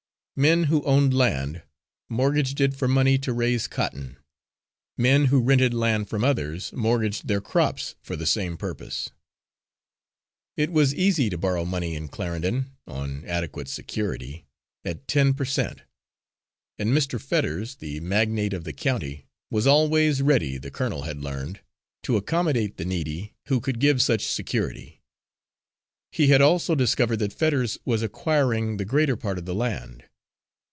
Men who owned land mortgaged it for money to raise cotton; men who rented land from others mortgaged their crops for the same purpose. It was easy to borrow money in Clarendon on adequate security at ten per cent., and Mr. Fetters, the magnate of the county, was always ready, the colonel had learned, to accommodate the needy who could give such security. He had also discovered that Fetters was acquiring the greater part of the land.